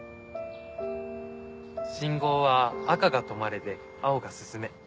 信号は赤が「止まれ」で青が「進め」。